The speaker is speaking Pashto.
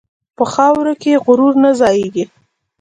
په خاورو کې غرور نه ځایېږي.